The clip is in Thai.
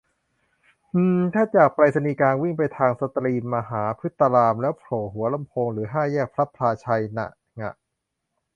อืม ถ้าจากไปรษณีย์กลาง วิ่งไปทางสตรีมหาพฤตาราม แล้วโผล่หัวลำโพงหรือห้าแยกพลับพลาไชยนะ ง่ะ